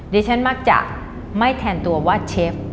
ดิฉันมักจะไม่แทนตัวว่าเชฟ